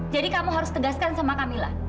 jadi kamu harus tegaskan sama camilla